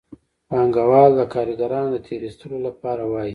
پانګوال د کارګرانو د تېر ایستلو لپاره وايي